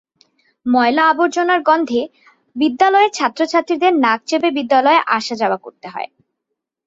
ময়লা আবর্জনার গন্ধে বিদ্যালয়ের ছাত্রছাত্রীদের নাক চেপে বিদ্যালয়ে আসা যাওয়া করতে হয়।